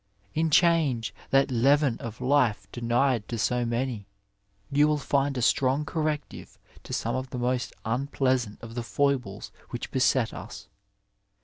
In change, that leaven of life denied to so many, you will find a strong oorrectiye to some of the most unpleasant of the foibles which beset us.